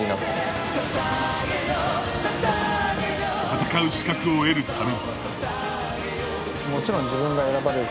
戦う資格を得るため。